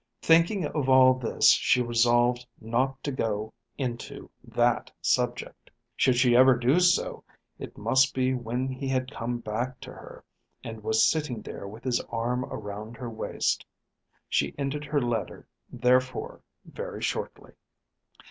Thinking of all this she resolved not to go into that subject. Should she ever do so it must be when he had come back to her, and was sitting there with his arm around her waist. She ended her letter, therefore, very shortly.